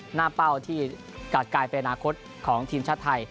เป้าที่กลับกลายเป็นอนาคตของทีมชาติไทย